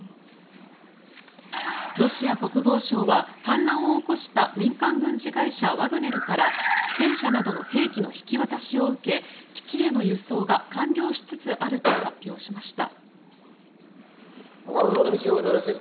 ロシア国防省は反乱を起こした民間軍事会社ワグネルから戦車などの兵器の引き渡しを受け基地への輸送が完了しつつあると発表しました。